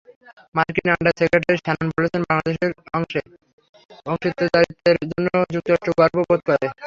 মার্কিন under secretary Shannon বলেছেন, বাংলাদেশের সঙ্গে অংশীদারত্বের জন্য যুক্তরাষ্ট্র গর্ব বোধ করে।